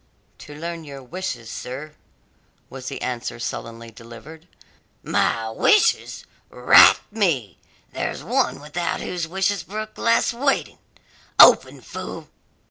"To learn your wishes, sir," was the answer sullenly delivered. "My wishes! Rat me, there's one without whose wishes brook less waiting! Open, fool!"